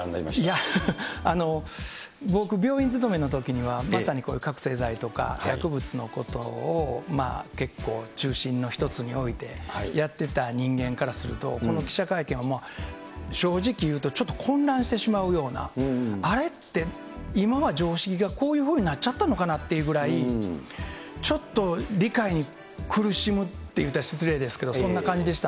いや、あの、僕、病院勤めのときには、まさにこういう覚醒剤とか薬物のことを結構中心の一つに置いてやってた人間からすると、この記者会見はもう、正直言うとちょっと混乱してしまうような、あれって、今は常識がこういうふうになっちゃったのかなっていうくらい、ちょっと理解に苦しむって言ったら失礼ですけど、そんな感じでし